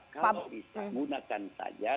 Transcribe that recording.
kalau bisa gunakan saja